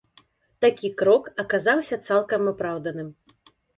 Такі крок аказаўся цалкам апраўданым.